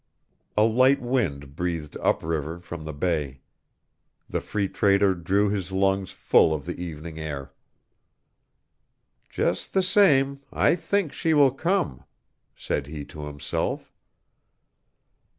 A light wind breathed up river from the bay. The Free Trader drew his lungs full of the evening air. "Just the same, I think she will come," said he to himself.